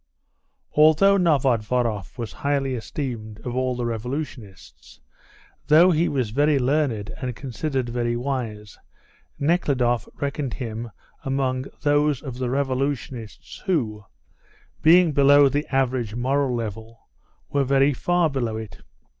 Although Novodvoroff was highly esteemed of all the revolutionists, though he was very learned, and considered very wise, Nekhludoff reckoned him among those of the revolutionists who, being below the average moral level, were very far below it.